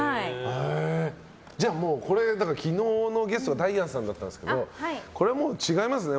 これ昨日のゲストがダイアンさんだったんですけどこれはもう違いますね。